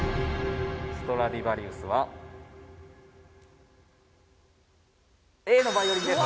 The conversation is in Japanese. ストラディヴァリウスはＡのバイオリンです！